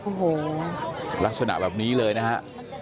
โอ้โหลักษณะแบบนี้เลยนะฮะ